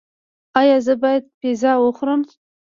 ایا زه باید پیزا وخورم؟